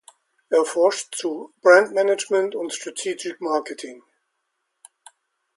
Er forscht zu Brand Management und Strategic Marketing.